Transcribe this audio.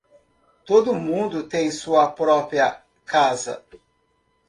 Todo mundo tem sua própria casa.